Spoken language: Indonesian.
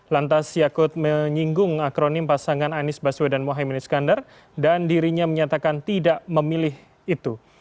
lantas yakut menyinggung akronim pasangan anies baswedan mohaimin iskandar dan dirinya menyatakan tidak memilih itu